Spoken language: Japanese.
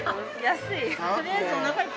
安い。